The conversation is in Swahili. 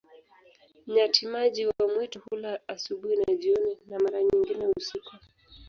Nyati-maji wa mwitu hula asubuhi na jioni, na mara nyingine usiku.